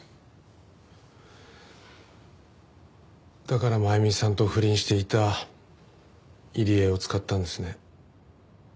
だから真弓さんと不倫していた入江を使ったんですね？